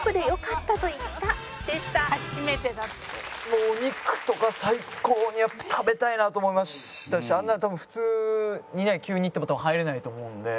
もうお肉とか最高にやっぱ食べたいなと思いましたしあんな普通にね急に行っても多分入れないと思うので。